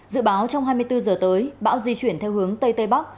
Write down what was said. dự báo trong hai mươi bốn giờ tới bão di chuyển theo hướng tây tây bắc